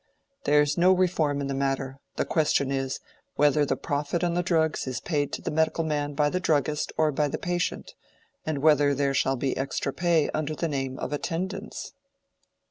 There's no reform in the matter: the question is, whether the profit on the drugs is paid to the medical man by the druggist or by the patient, and whether there shall be extra pay under the name of attendance."